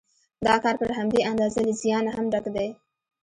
دا کار پر همدې اندازه له زیانه هم ډک دی